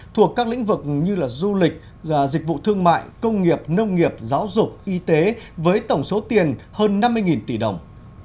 thuộc các lĩnh vực như du lịch dịch vụ thương mại công nghiệp nông nghiệp giáo dục y tế với tổng số tiền hơn năm mươi tỷ đồng